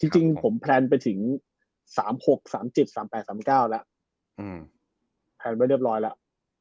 จริงผมแพลนไปถึง๓๖๓๗๓๘๓๙แล้วแพลนไว้เรียบร้อยแล้ว